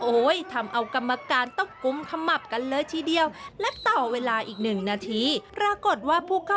โอ้ยทำเอากรรมการต้องกุ้มขมับกันเลยทีเดียว